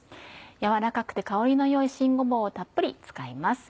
柔らかくて香りの良い新ごぼうをたっぷり使います。